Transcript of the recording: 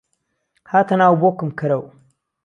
هاته ناو بۆکم کهرهو